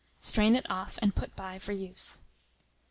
Strain it off, and put by for use.